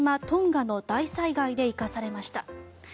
トンガの大災害で生かされました。